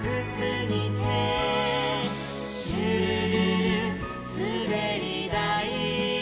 「シュルルルすべりだい」